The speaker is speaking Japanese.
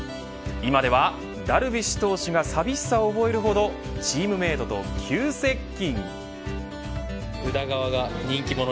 今では、ダルビッシュ投手が寂しさを覚えるほどチームメートと急接近。